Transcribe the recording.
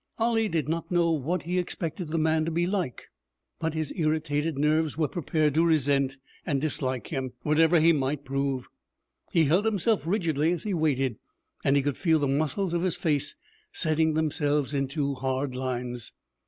Ollie did not know what he expected the man to be like, but his irritated nerves were prepared to resent and dislike him, whatever he might prove. He held himself rigidly as he waited, and he could feel the muscles of his face setting themselves into hard lines.